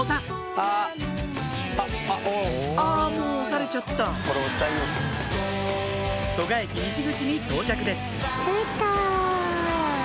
あもう押されちゃった蘇我駅西口に到着です